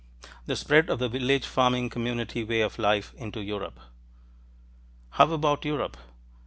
THE SPREAD OF THE VILLAGE FARMING COMMUNITY WAY OF LIFE INTO EUROPE How about Europe?